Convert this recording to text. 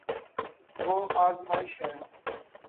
وہ ازماش ہے